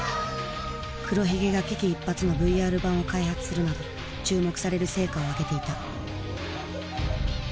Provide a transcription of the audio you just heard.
黒ひげが危機一髪のＶＲ版を開発するなど注目される成果をあげていた。